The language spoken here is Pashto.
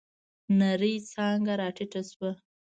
نرۍ څانگه راټيټه شوه.